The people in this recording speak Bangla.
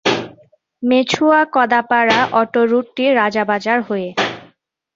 মেছুয়া-কদাপাড়া অটো রুটটি রাজাবাজার হয়ে।